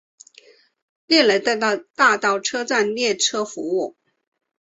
涅雷大道车站列车服务。